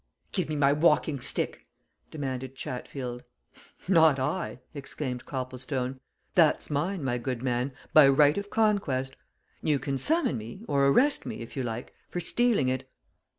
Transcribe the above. "Give me my walking stick!" demanded Chatfield. "Not I!" exclaimed Copplestone. "That's mine, my good man, by right of conquest. You can summon me, or arrest me, if you like, for stealing it."